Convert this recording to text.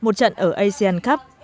một trận ở asian cup